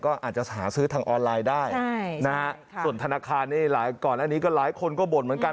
ก็อาจจะหาซื้อทางออนไลน์ได้นะฮะส่วนธนาคารนี่หลายก่อนอันนี้ก็หลายคนก็บ่นเหมือนกัน